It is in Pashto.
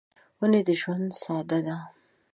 ونې د ژوند ساه ده.